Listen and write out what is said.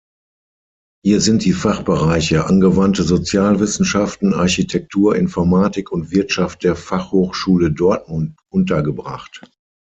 Hier sind die Fachbereiche Angewandte Sozialwissenschaften, Architektur, Informatik und Wirtschaft der Fachhochschule Dortmund untergebracht.